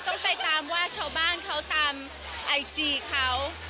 ต้องไปตามว่าชาวบ้านเขาตามไอจีเขา